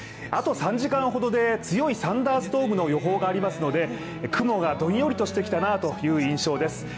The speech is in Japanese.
あと３時間ほどで強いサンダーストームの予報がありますので雲がどんよりとしてきたなという印象です。